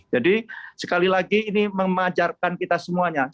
jadi sekali lagi ini memajarkan kita semuanya